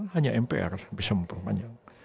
hanya mpr bisa memperpanjang